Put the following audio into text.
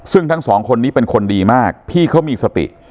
ซึ่งทั้งสองคนนี้เป็นคนดีมากพี่เขามีสติ